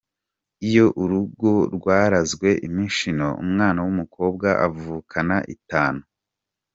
Iyo urugo rwarazwe imishino, umwana w’umukobwa avukana itanu.